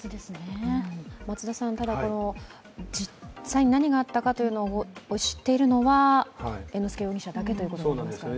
ただ実際に何があったのかを知っているのは猿之助容疑者だけということになりますからね。